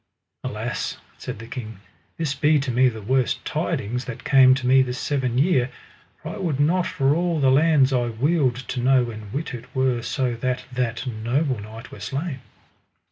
Alas, said the king, this be to me the worst tidings that came to me this seven year, for I would not for all the lands I wield to know and wit it were so that that noble knight were slain.